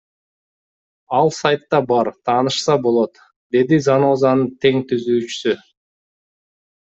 Ал сайтта бар, таанышса болот, — деди Занозанын тең түзүүчүсү.